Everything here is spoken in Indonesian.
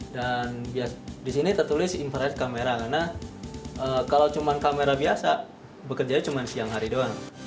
dan di sini tertulis infrared camera karena kalau cuma kamera biasa bekerja cuma siang hari doang